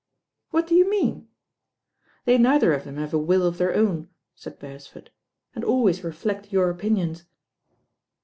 "What do you mean?" "They neither of them have a will of their own," said Beresford, "and always reflect your opinions."